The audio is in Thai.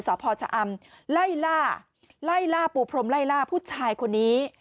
สพชะอำไล่ล่าไล่ล่าปูพรมไล่ล่าผู้ชายคนนี้